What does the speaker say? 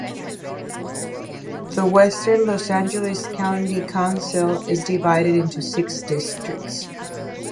The Western Los Angeles County Council is divided into six districts.